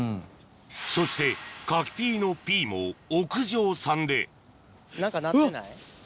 そして柿ピーのピーも屋上産で何かなってない？